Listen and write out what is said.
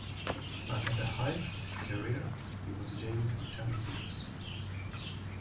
But at the height of his career, he was jailed for ten years.